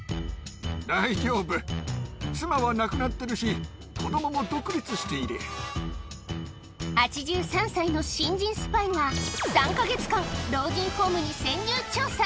大丈夫、妻は亡くなってるし、８３歳の新人スパイが、３か月間、老人ホームに潜入調査。